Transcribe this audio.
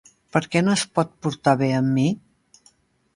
Per què no es pot portar bé amb mi?